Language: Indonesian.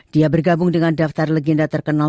dia bergabung dengan daftar legenda terkenal